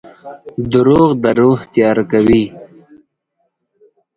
• دروغ د روح تیاره کوي.